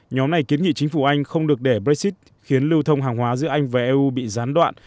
nhóm này kiến nghị chính phủ anh không được để brexit khiến lưu thông hàng hóa giữa anh và eu bị gián đoạn